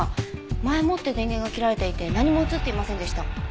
前もって電源が切られていて何も映っていませんでした。